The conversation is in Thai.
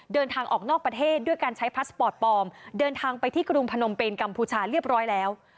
เดินทางออกนอกประเทศด้วยการใช้พาสปอร์ตปลอมเดินทางไปที่กรุงพนมเป็นกัมพูชาเรียบร้อยแล้ว